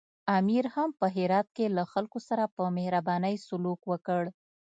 امیر هم په هرات کې له خلکو سره په مهربانۍ سلوک وکړ.